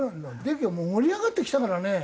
盛り上がってきたからね。